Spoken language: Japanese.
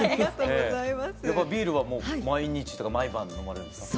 ビールは毎日とか毎晩飲まれるんですか？